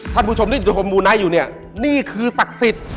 ท่านผู้ชมที่ชมมูไนท์อยู่เนี่ยนี่คือศักดิ์สิทธิ์